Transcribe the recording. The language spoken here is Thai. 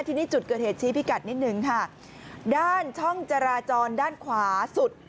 ทีนี้จุดเกิดเหตุชี้พิกัดนิดหนึ่งค่ะด้านช่องจราจรด้านขวาสุด